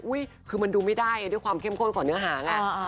คือมันดูไม่ได้ด้วยความเข้มข้นของเนื้อหาไง